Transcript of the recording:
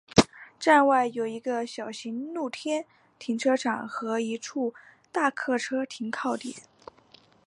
站外有一个小型露天停车场和一处大客车停靠点。